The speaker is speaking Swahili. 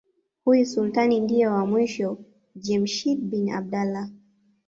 Huyu Sultani ndiye was mwisho Jemshid bin abdalla